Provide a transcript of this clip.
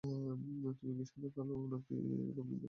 তুমি কি সাদা-কালো দেখো নাকি রঙ্গীন দেখো?